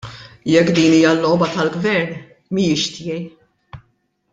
Jekk dik hija l-logħba tal-Gvern mhijiex tiegħi.